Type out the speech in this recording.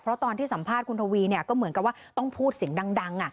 เพราะตอนที่สัมภาษณ์คุณทวีก็เหมือนกับว่าต้องพูดเสียงดัง